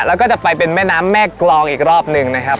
แล้วก็จะไปเป็นแม่น้ำแม่กรองอีกรอบหนึ่งนะครับ